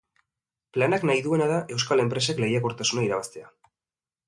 Planak nahi duena da euskal enpresek lehikortasuna irabaztea.